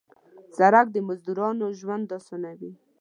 سړک د مزدورانو ژوند اسانوي.